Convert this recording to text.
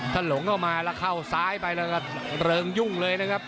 ถ้าหลงเข้ามาแล้วเข้าซ้ายไปแล้วก็เริงยุ่งเลยนะครับ